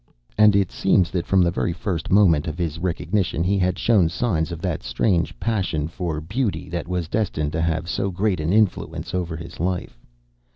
And it seems that from the very first moment of his recognition he had shown signs of that strange passion for beauty that was destined to have so great an influence over his life.